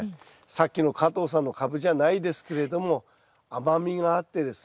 さっきの加藤さんのカブじゃないですけれども甘みがあってですね